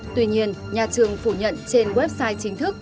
tuy nhiên nhà trường phủ nhận trên website chính thức